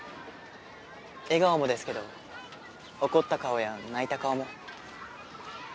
笑顔もですけど怒った顔や泣いた顔も。